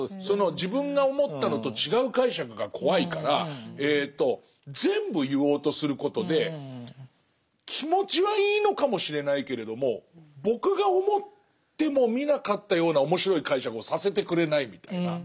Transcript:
その自分が思ったのと違う解釈が怖いから全部言おうとすることで気持ちはいいのかもしれないけれども僕が思ってもみなかったような面白い解釈をさせてくれないみたいな。